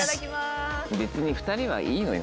別に２人はいいのよ。